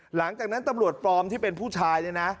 หลังจากนั้นตำรวจปลอมที่เป็นผู้ชายเนี่ยนะ